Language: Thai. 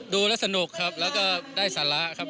ดูแล้วสนุกครับแล้วก็ได้สาระครับ